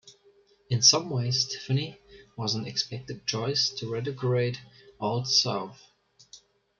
In some ways Tiffany was an expected choice to redecorate Old South.